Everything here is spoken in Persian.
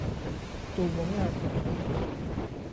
دومی ندارد.